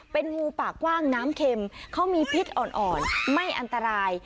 เป็นงูปากกว้างน้ำเข็มเขามีพิษอ่อนไม่อันตราย